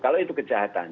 kalau itu kejahatan